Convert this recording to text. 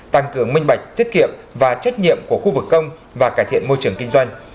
tăng cường minh bạch tiết kiệm và trách nhiệm của khu vực công và cải thiện môi trường kinh doanh